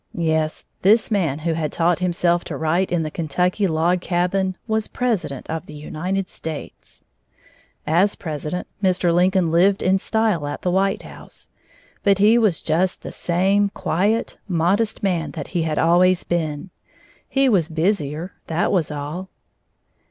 Yes, this man who had taught himself to write in the Kentucky log cabin was President of the United States! As President, Mr. Lincoln lived in style at the White House. But he was just the same quiet, modest man that he had always been. He was busier, that was all.